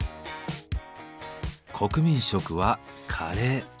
国民食はカレー。